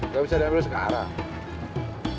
gak bisa diambil sekarang